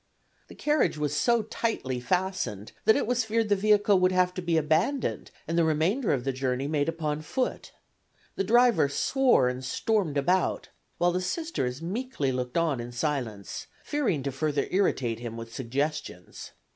The carriage was so tightly fastened that it was feared the vehicle would have to be abandoned and the remainder of the journey made upon foot. The driver swore and stormed about, while the Sisters meekly looked on in silence, fearing to further irritate him with suggestions.